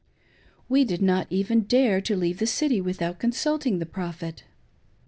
We did not even dare to leave the city without consulting the Prophet.